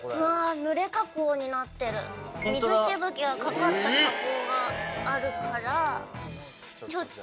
水しぶきがかかった加工があるから。